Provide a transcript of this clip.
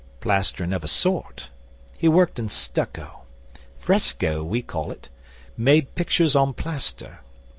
'Plastering of a sort. He worked in stucco fresco we call it. Made pictures on plaster.